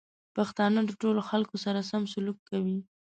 پښتانه د ټولو خلکو سره سم سلوک کوي.